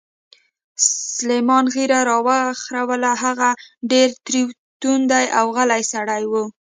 سلمان ږیره را وخروله، هغه ډېر تریو تندی او غلی سړی و.